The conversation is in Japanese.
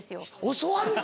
教わる？